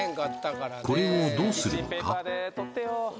これをどうするのか？